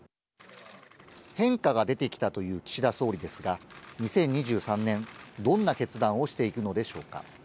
変化が出てきたという岸田総理ですが、２０２３年、どんな決断をしていくのでしょうか。